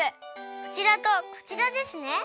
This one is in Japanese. こちらとこちらですね。